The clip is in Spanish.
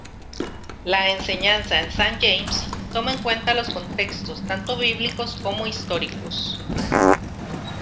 La enseñanza en St James' toma en cuenta los contextos tanto bíblicos como históricos.